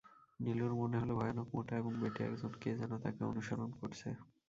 নীলুর মনে হলো, ভয়ানক মোটা এবং বেঁটে একজন কে যেন তাকে অনূসরণ করছে।